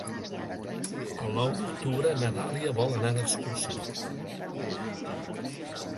El nou d'octubre na Dàlia vol anar d'excursió.